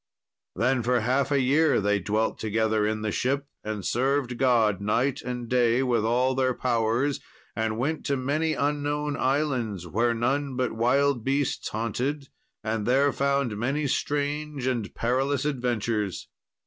Then for half a year they dwelt together in the ship, and served God night and day with all their powers, and went to many unknown islands, where none but wild beasts haunted, and there found many strange and perilous adventures.